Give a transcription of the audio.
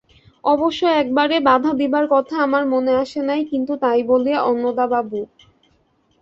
অবশ্য একেবারে বাধা দিবার কথা আমার মনে আসে নাই, কিন্তু তাই বলিয়া- অন্নদাবাবু।